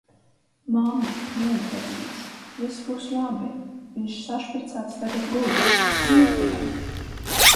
Mammu, nomierinies, viss būs labi, viņš sašpricēts tagad guļ. Brīvdiena.